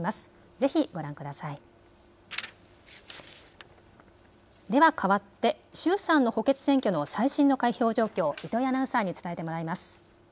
ぜひご覧ください。ではかわって衆参の補欠選挙の最新の開票状況、糸井アナウンサーに伝えてもらいます。